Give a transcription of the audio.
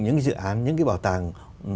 những cái dự án những cái bảo tàng